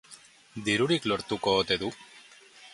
Dirurik lortuko ote du?